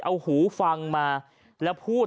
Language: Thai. เอาหูฟังมาแล้วพูด